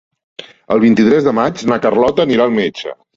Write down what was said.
El vint-i-tres de maig na Carlota anirà al metge.